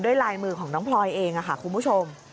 ลายมือของน้องพลอยเองค่ะคุณผู้ชม